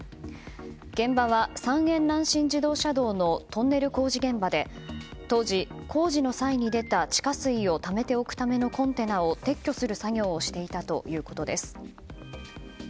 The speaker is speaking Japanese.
現場は三遠南信自動車道のトンネル工事現場で当時、工事の際に出た地下水をためておくためのコンテナを撤去する作業をしていたということです。